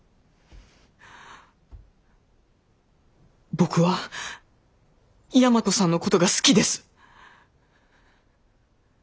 僕は大和さんのことが好きです。